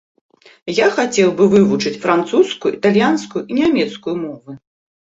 Я хацеў бы вывучыць французскую, італьянскую і нямецкую мовы.